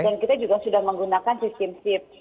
dan kita juga sudah menggunakan sistem sip